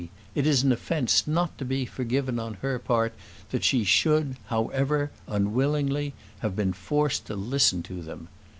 it is an offence not to be forgiven on her part that she should, however, unwillingly, have been forced to listen to them!